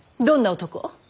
どんな男。